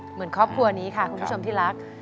เหมือนครอบครัวนี้ค่ะคุณผู้ชมที่รัก